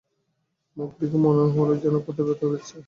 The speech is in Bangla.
মুখ দেখে মনে হল যেন কোথায় ব্যথা বেজেছে।